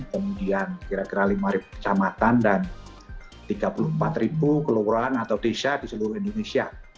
kemudian kira kira lima kecamatan dan tiga puluh empat ribu kelurahan atau desa di seluruh indonesia